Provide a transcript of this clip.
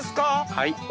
はい。